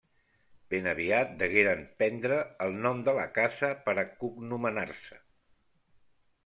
Ben aviat degueren prendre el nom de la casa per a cognomenar-se.